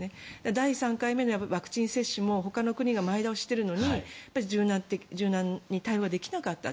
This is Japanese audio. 第３回目のワクチン接種もほかの国が前倒ししてるのに柔軟に対応ができなかった。